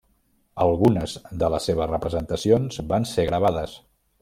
Algunes de les seves representacions van ser gravades.